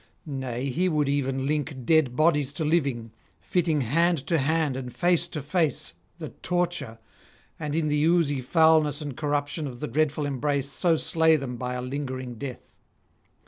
Nay, he would even link dead bodies to living, fitting hand to hand and face to face (the torture!), and in the oozy foulness and corruption of the dreadful embrace so slay them by a lingering death.